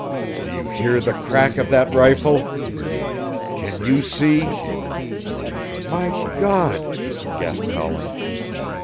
Do you hear the crack of that rifle? Can you see " "My God!" gasped Howland.